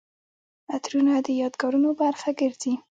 عطرونه د یادګارونو برخه ګرځي.